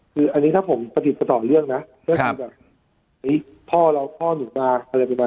คืออันนี้ถ้าผมติดต่อเรื่องนะพ่อหนูมาอะไรประมาณนี้ครับ